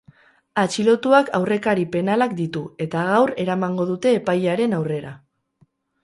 Atxilotuak aurrekari penalak ditu eta gaur eramango dute epailearen aurrera.